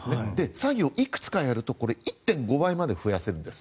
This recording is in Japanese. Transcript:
詐欺をいくつかやると１．５倍まで増やせるんです。